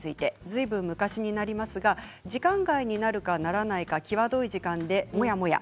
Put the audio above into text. ずいぶん昔になりますが時間外になるかならないかきわどい時間でモヤモヤ。